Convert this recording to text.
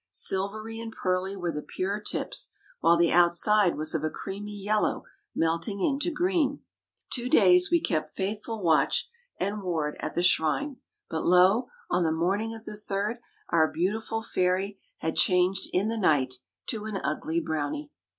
Silvery and pearly were the pure tips; while the outside was of a creamy yellow melting into green. Two days we kept faithful watch and ward at the shrine; but, lo! on the morning of the third our beautiful fairy had changed in the night to an ugly brownie.